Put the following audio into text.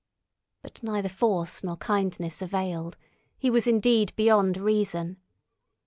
But neither force nor kindness availed; he was indeed beyond reason.